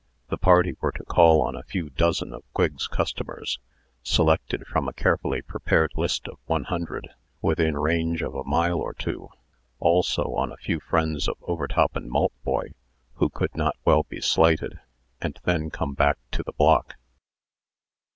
The party were to call on a few dozen of Quigg's customers (selected from a carefully prepared list of one hundred) within range of a mile or two; also on a few friends of Overtop and Maltboy, who could not well be slighted, and then come back to the block.